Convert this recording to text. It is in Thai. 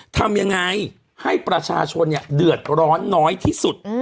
ทำยังไงให้ประชาชนเดือดร้อนน้อยที่สุด